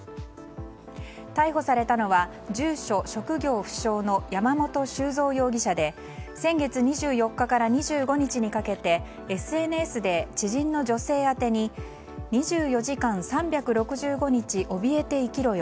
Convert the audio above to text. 逮捕されたのは住所職業、不詳の山本修三容疑者で先月２４日から２５日にかけてＳＮＳで知人の女性宛てに２４時間３６５日おびえて生きろよ。